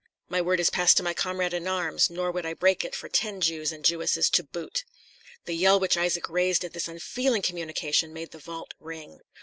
My word is passed to my comrade in arms; nor would I break it for ten Jews and Jewesses to boot." The yell which Isaac raised at this unfeeling communication made the vault ring.